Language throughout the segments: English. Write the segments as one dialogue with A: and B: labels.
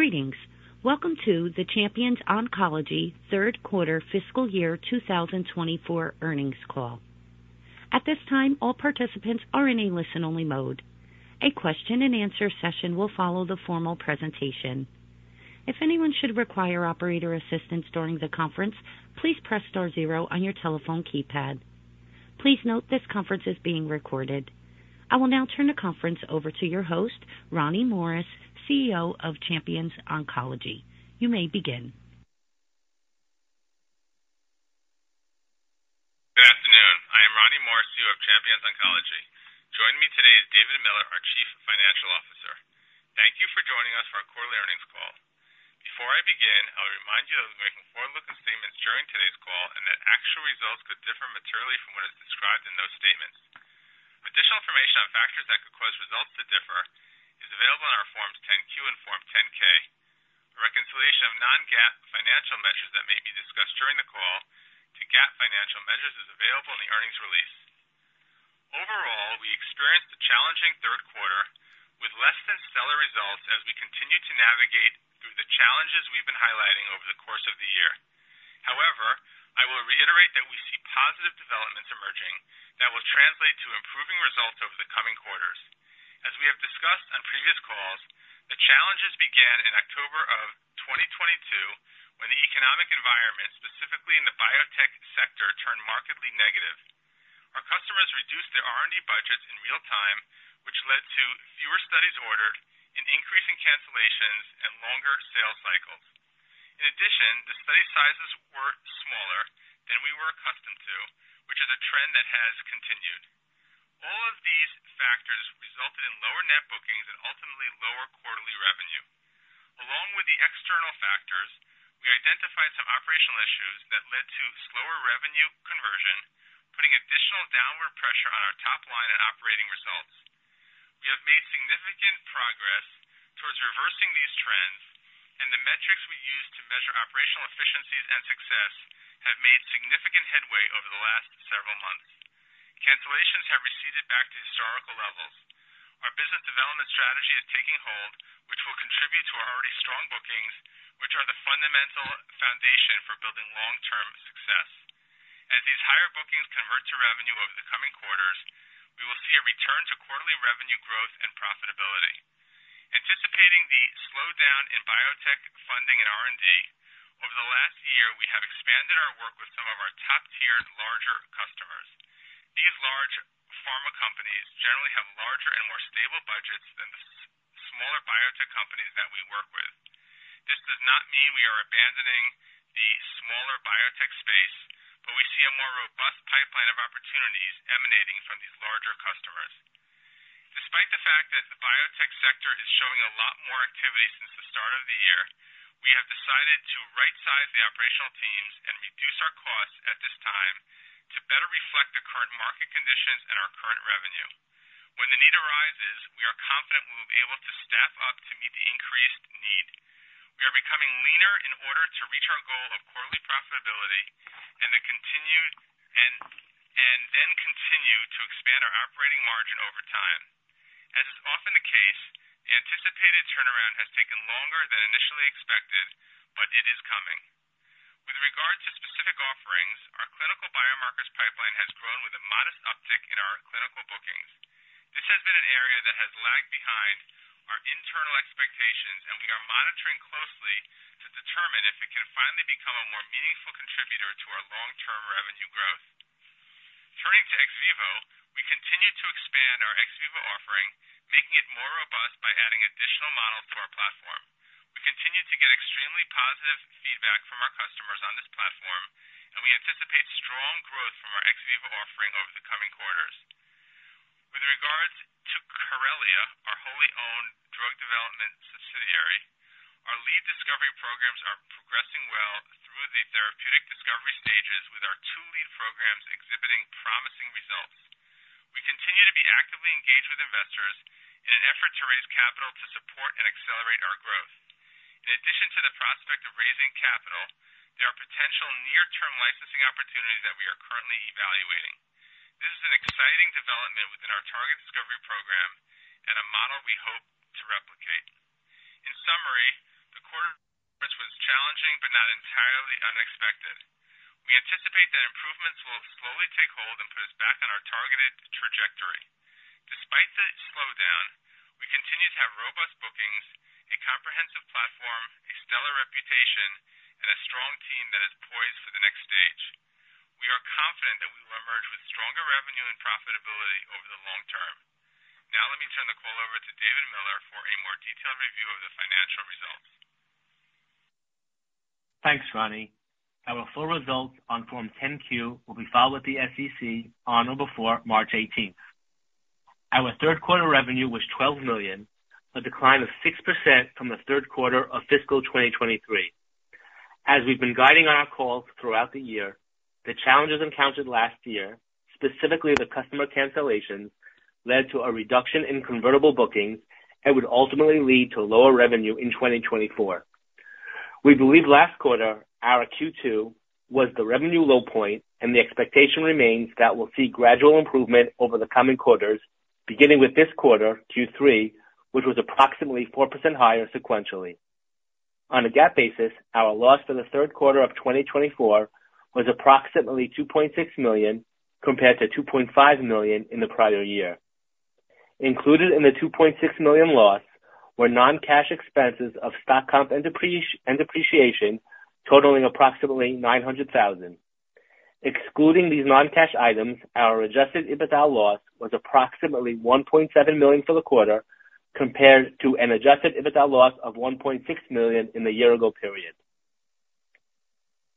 A: Greetings. Welcome to the Champions Oncology Third Quarter Fiscal Year 2024 Earnings Call. At this time, all participants are in a listen-only mode. A question-and-answer session will follow the formal presentation. If anyone should require operator assistance during the conference, please press star zero on your telephone keypad. Please note this conference is being recorded. I will now turn the conference over to your host, Ronnie Morris, CEO of Champions Oncology. You may begin.
B: Good afternoon. I am Ronnie Morris, CEO of Champions Oncology. Joining me today is David Miller, our Chief Financial Officer. Thank you for joining us for our quarterly earnings call. Before I begin, I'll remind you that we're making forward-looking statements during today's call and that actual results could differ materially from what is described in those statements. Additional information on factors that could cause results to differ is available in our Forms 10-Q and Form 10-K. A reconciliation of non-GAAP financial measures that may be discussed during the call to GAAP financial measures is available in the earnings release. Overall, we experienced a challenging third quarter with less than stellar results as we continue to navigate through the challenges we've been highlighting over the course of the year. However, I will reiterate that we see positive developments emerging that will translate to improving results over the coming quarters. As we have discussed on previous calls, the challenges began in October of 2022 when the economic environment, specifically in the biotech sector, turned markedly negative. Our customers reduced their R&D budgets in real time, which led to fewer studies ordered, an increase in cancellations, and longer sales cycles. In addition, the study sizes were smaller than we were accustomed to, which is a trend that has continued. All of these factors resulted in lower net bookings and ultimately lower quarterly revenue. Along with the external factors, we identified some operational issues that led to slower revenue conversion, putting additional downward pressure on our top line and operating results. We have made significant progress towards reversing these trends, and the metrics we use to measure operational efficiencies and success have made significant headway over the last several months. Cancellations have receded back to historical levels. Our business development strategy is taking hold, which will contribute to our already strong bookings, which are the fundamental foundation for building long-term success. As these higher bookings convert to revenue over the coming quarters, we will see a return to quarterly revenue growth and profitability. Anticipating the slowdown in biotech funding and R&D, over the last year, we have expanded our work with some of our top-tiered, larger customers. These large pharma companies generally have larger and more stable budgets than the smaller biotech companies that we work with. This does not mean we are abandoning the smaller biotech space, but we see a more robust pipeline of opportunities emanating from these larger customers. Despite the fact that the biotech sector is showing a lot more activity since the start of the year, we have decided to right-size the operational teams and reduce our costs at this time to better reflect the current market conditions and our current revenue. When the need arises, we are confident we will be able to staff up to meet the increased need. We are becoming leaner in order to reach our goal of quarterly profitability and then continue to expand our operating margin over time. As is often the case, the anticipated turnaround has taken longer than initially expected, but it is coming. With regard to specific offerings, our clinical biomarkers pipeline has grown with a modest uptick in our clinical bookings. This has been an area that has lagged behind our internal expectations, and we are monitoring closely to determine if it can finally become a more meaningful contributor to our long-term revenue growth. Turning to ex vivo, we continue to expand our ex vivo offering, making it more robust by adding additional models to our platform. We continue to get extremely positive feedback from our customers on this platform, and we anticipate strong growth from our ex vivo offering over the coming quarters. With regards to Corellia, our wholly owned drug development subsidiary, our lead discovery programs are progressing well through the therapeutic discovery stages, with our two lead programs exhibiting promising results. We continue to be actively engaged with investors in an effort to raise capital to support and accelerate our growth. In addition to the prospect of raising capital, there are potential near-term licensing opportunities that we are currently evaluating. This is an exciting development within our target discovery program and a model we hope to replicate. In summary, the quarter's performance was challenging but not entirely unexpected. We anticipate that improvements will slowly take hold and put us back on our targeted trajectory. Despite the slowdown, we continue to have robust bookings, a comprehensive platform, a stellar reputation, and a strong team that is poised for the next stage. We are confident that we will emerge with stronger revenue and profitability over the long term. Now let me turn the call over to David Miller for a more detailed review of the financial results.
C: Thanks, Ronnie. Our full results on Form 10-Q will be filed with the SEC on or before March 18th. Our third quarter revenue was $12 million, a decline of 6% from the third quarter of fiscal 2023. As we've been guiding on our calls throughout the year, the challenges encountered last year, specifically the customer cancellations, led to a reduction in convertible bookings and would ultimately lead to lower revenue in 2024. We believe last quarter, our Q2, was the revenue low point, and the expectation remains that we'll see gradual improvement over the coming quarters, beginning with this quarter, Q3, which was approximately 4% higher sequentially. On a GAAP basis, our loss for the third quarter of 2024 was approximately $2.6 million compared to $2.5 million in the prior year. Included in the $2.6 million loss were non-cash expenses of stock comp and depreciation, totaling approximately $900,000. Excluding these non-cash items, our Adjusted EBITDA loss was approximately $1.7 million for the quarter compared to an Adjusted EBITDA loss of $1.6 million in the year-ago period.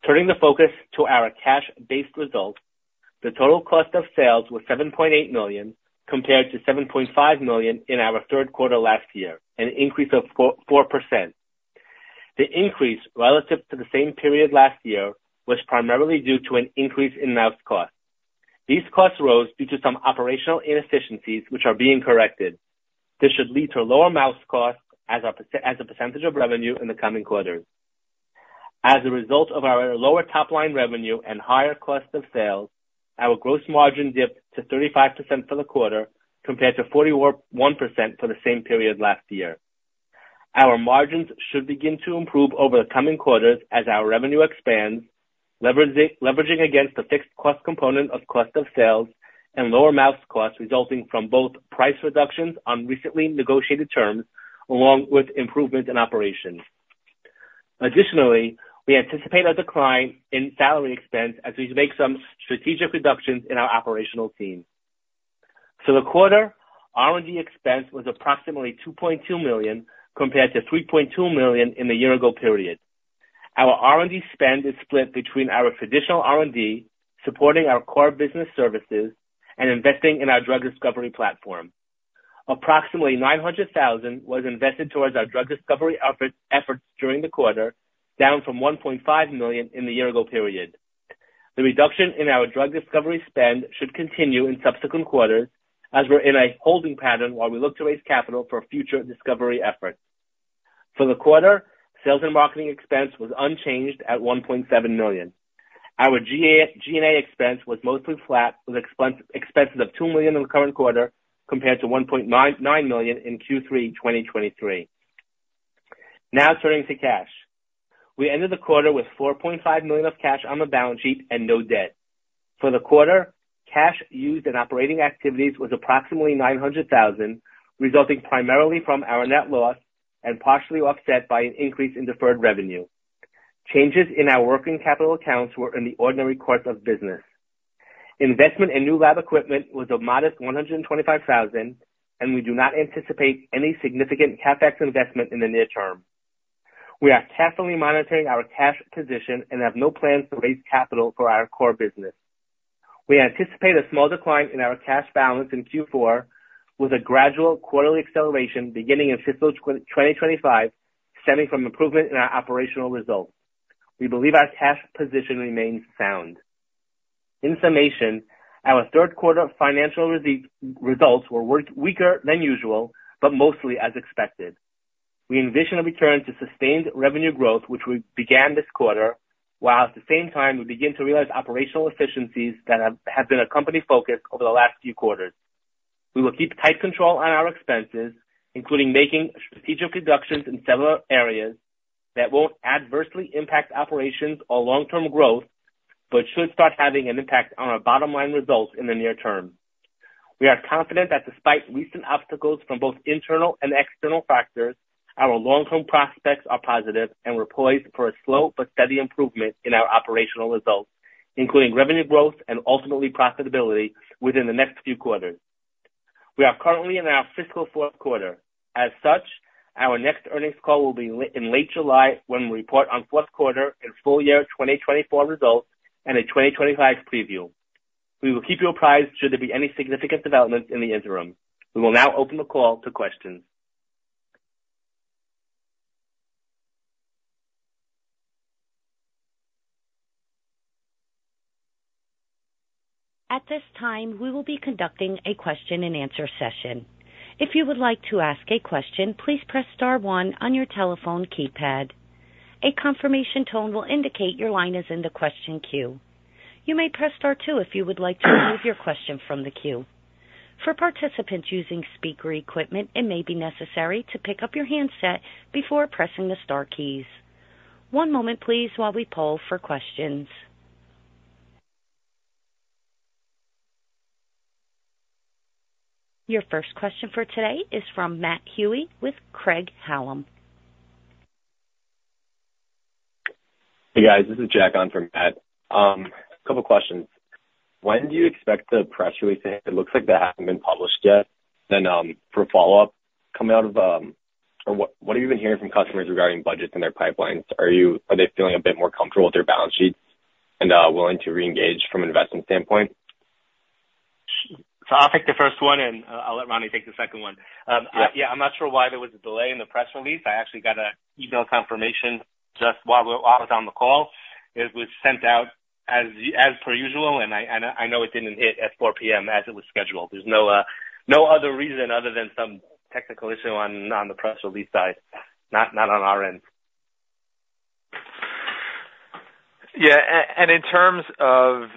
C: Turning the focus to our cash-based results, the total cost of sales was $7.8 million compared to $7.5 million in our third quarter last year, an increase of 4%. The increase relative to the same period last year was primarily due to an increase in mouse costs. These costs rose due to some operational inefficiencies, which are being corrected. This should lead to lower mouse costs as a percentage of revenue in the coming quarters. As a result of our lower top line revenue and higher cost of sales, our gross margin dipped to 35% for the quarter compared to 41% for the same period last year. Our margins should begin to improve over the coming quarters as our revenue expands, leveraging against the fixed cost component of cost of sales and lower mouse costs resulting from both price reductions on recently negotiated terms along with improvements in operations. Additionally, we anticipate a decline in salary expense as we make some strategic reductions in our operational team. For the quarter, R&D expense was approximately $2.2 million compared to $3.2 million in the year-ago period. Our R&D spend is split between our traditional R&D, supporting our core business services, and investing in our drug discovery platform. Approximately $900,000 was invested towards our drug discovery efforts during the quarter, down from $1.5 million in the year-ago period. The reduction in our drug discovery spend should continue in subsequent quarters as we're in a holding pattern while we look to raise capital for future discovery efforts. For the quarter, sales and marketing expense was unchanged at $1.7 million. Our G&A expense was mostly flat, with expenses of $2 million in the current quarter compared to $1.9 million in Q3 2023. Now turning to cash. We ended the quarter with $4.5 million of cash on the balance sheet and no debt. For the quarter, cash used in operating activities was approximately $900,000, resulting primarily from our net loss and partially offset by an increase in deferred revenue. Changes in our working capital accounts were in the ordinary course of business. Investment in new lab equipment was a modest $125,000, and we do not anticipate any significant CapEx investment in the near term. We are carefully monitoring our cash position and have no plans to raise capital for our core business. We anticipate a small decline in our cash balance in Q4 with a gradual quarterly acceleration beginning in fiscal 2025, stemming from improvement in our operational results. We believe our cash position remains sound. In summation, our third quarter financial results were weaker than usual but mostly as expected. We envision a return to sustained revenue growth, which we began this quarter, while at the same time we begin to realize operational efficiencies that have been a company focus over the last few quarters. We will keep tight control on our expenses, including making strategic reductions in several areas that won't adversely impact operations or long-term growth but should start having an impact on our bottom line results in the near term. We are confident that despite recent obstacles from both internal and external factors, our long-term prospects are positive and we're poised for a slow but steady improvement in our operational results, including revenue growth and ultimately profitability within the next few quarters. We are currently in our fiscal fourth quarter. As such, our next earnings call will be in late July when we report on fourth quarter and full year 2024 results and a 2025 preview. We will keep you apprised should there be any significant developments in the interim. We will now open the call to questions.
A: At this time, we will be conducting a question-and-answer session. If you would like to ask a question, please press star one on your telephone keypad. A confirmation tone will indicate your line is in the question queue. You may press star two if you would like to remove your question from the queue. For participants using speaker equipment, it may be necessary to pick up your handset before pressing the star keys. One moment, please, while we poll for questions. Your first question for today is from Matt Hewitt with Craig-Hallum.
D: Hey, guys. This is Jack on for Matt. A couple of questions. When do you expect the press release to hit? It looks like that hasn't been published yet. Then for follow-up, coming out of or what have you been hearing from customers regarding budgets and their pipelines? Are they feeling a bit more comfortable with their balance sheets and willing to reengage from an investment standpoint?
C: So I'll take the first one, and I'll let Ronnie take the second one. Yeah, I'm not sure why there was a delay in the press release. I actually got an email confirmation just while I was on the call. It was sent out as per usual, and I know it didn't hit at 4:00 P.M. as it was scheduled. There's no other reason other than some technical issue on the press release side, not on our end.
B: Yeah. And in terms of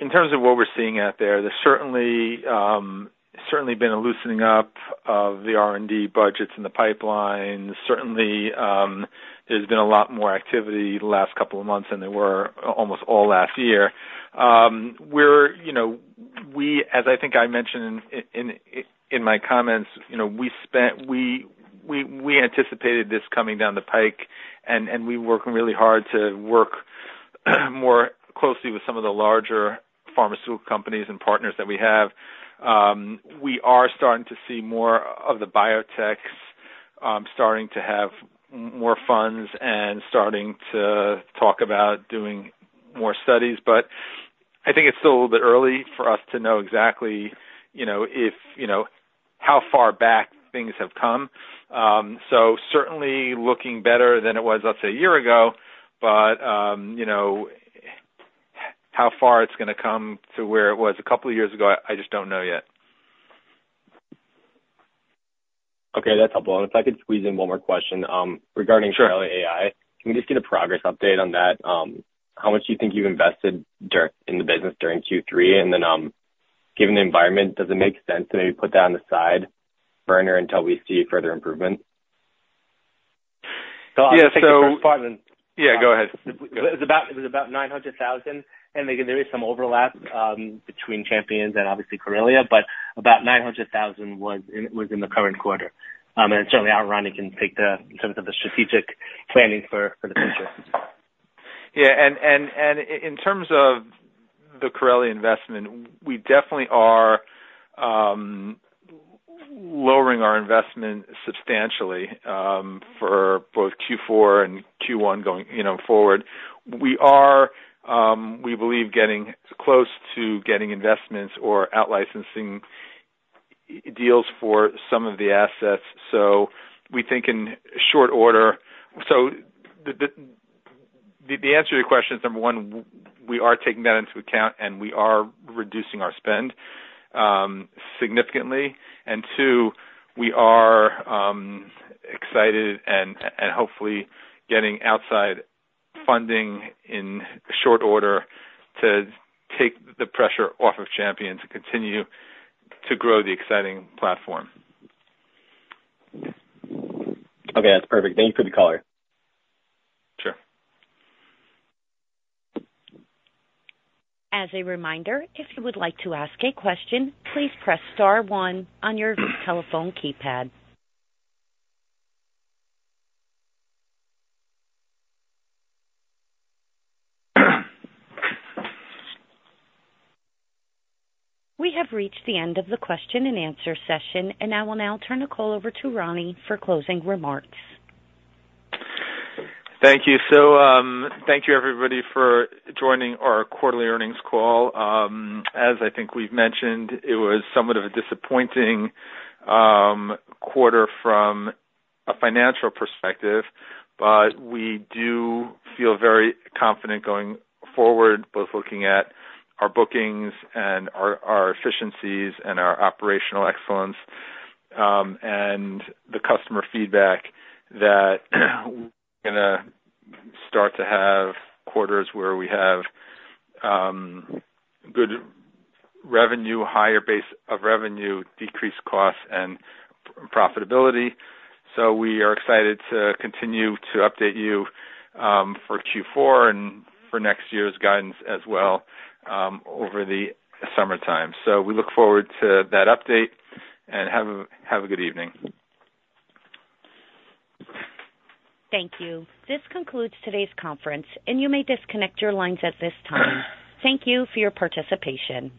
B: what we're seeing out there, there's certainly been a loosening up of the R&D budgets and the pipelines. Certainly, there's been a lot more activity the last couple of months than there were almost all last year. As I think I mentioned in my comments, we anticipated this coming down the pike, and we're working really hard to work more closely with some of the larger pharmaceutical companies and partners that we have. We are starting to see more of the biotechs starting to have more funds and starting to talk about doing more studies, but I think it's still a little bit early for us to know exactly how far back things have come. Certainly looking better than it was, let's say, a year ago, but how far it's going to come to where it was a couple of years ago, I just don't know yet.
D: Okay. That's helpful. And if I could squeeze in one more question regarding Corellia AI, can we just get a progress update on that? How much do you think you've invested in the business during Q3? And then given the environment, does it make sense to maybe put that on the sideburner until we see further improvement?
B: I think.
D: Yeah. Thank you for spotting.
B: Yeah. Go ahead.
C: It was about $900,000, and there is some overlap between Champions and obviously Corellia, but about $900,000 was in the current quarter. Certainly, our Ronnie can take the in terms of the strategic planning for the future.
B: Yeah. In terms of the Corellia investment, we definitely are lowering our investment substantially for both Q4 and Q1 going forward. We believe getting close to getting investments or out-licensing deals for some of the assets. So we think in short order, so the answer to your question is, number one, we are taking that into account, and we are reducing our spend significantly. And two, we are excited and hopefully getting outside funding in short order to take the pressure off of Champions and continue to grow the exciting platform.
D: Okay. That's perfect. Thank you for the color.
B: Sure.
A: As a reminder, if you would like to ask a question, please press star one on your telephone keypad. We have reached the end of the question-and-answer session, and I will now turn the call over to Ronnie for closing remarks.
B: Thank you. So thank you, everybody, for joining our quarterly earnings call. As I think we've mentioned, it was somewhat of a disappointing quarter from a financial perspective, but we do feel very confident going forward, both looking at our bookings and our efficiencies and our operational excellence and the customer feedback that we're going to start to have quarters where we have good revenue, higher base of revenue, decreased costs, and profitability. So we are excited to continue to update you for Q4 and for next year's guidance as well over the summertime. So we look forward to that update, and have a good evening.
A: Thank you. This concludes today's conference, and you may disconnect your lines at this time. Thank you for your participation.